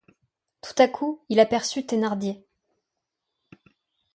Tout à coup il aperçut Thénardier.